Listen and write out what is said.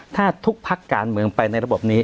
ถ้าทุกพักการเมืองไปในระบบนี้